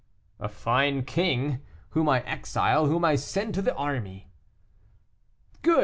"A fine king! whom I exile, whom I send to the army." "Good!